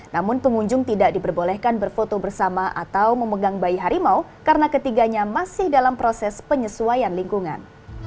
namun pengunjung tidak diperbolehkan berfoto bersama atau memegang bayi harimau karena ketiganya masih dalam proses penyesuaian lingkungan